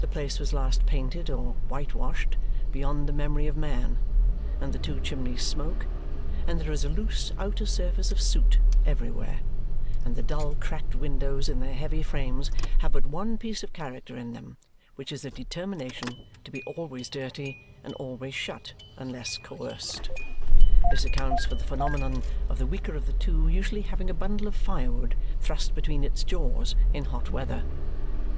The place was last painted or whitewashed beyond the memory of man, and the two chimneys smoke, and there is a loose outer surface of soot everywhere, and the dull cracked windows in their heavy frames have but one piece of character in them, which is a determination to be always dirty and always shut unless coerced. This accounts for the phenomenon of the weaker of the two usually having a bundle of firewood thrust between its jaws in hot weather.